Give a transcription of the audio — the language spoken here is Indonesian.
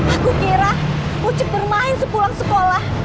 aku kira kucing bermain sepulang sekolah